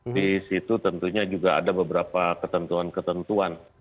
di situ tentunya juga ada beberapa ketentuan ketentuan